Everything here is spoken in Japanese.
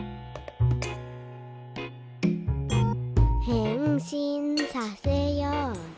「へんしんさせようぜ」